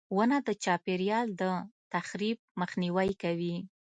• ونه د چاپېریال د تخریب مخنیوی کوي.